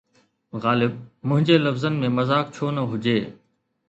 غالب! منهنجي لفظن ۾ مذاق ڇو نه هجي؟